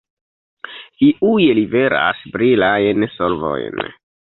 Iuj liveras brilajn solvojn.